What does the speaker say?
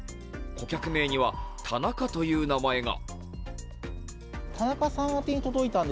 顧客名には「田中」という名前が。